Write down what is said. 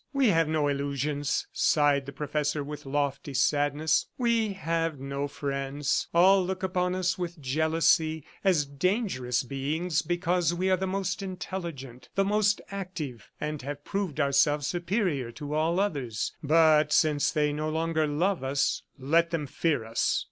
"We have no illusions," sighed the professor, with lofty sadness. "We have no friends. All look upon us with jealousy, as dangerous beings, because we are the most intelligent, the most active, and have proved ourselves superior to all others. ... But since they no longer love us, let them fear us!